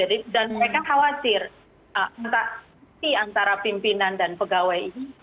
dan mereka khawatir antara pimpinan dan pegawai ini